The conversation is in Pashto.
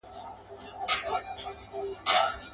خو د ماشوم په څېر پراته وه ورته زر سوالونه.